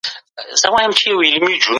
د هېواد اقتصاد باید پیاوړی سي.